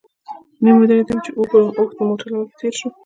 نیم ودرېدم چې ګورم اوښ د موټر له مخې تېر شو.